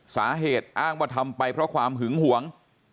สาเหตุอ้างว่าทำไปเพราะความหึงหวง